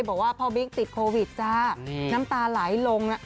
บอกว่าพ่อบิ๊กติดโควิดจ้าน้ำตาไหลลงนะ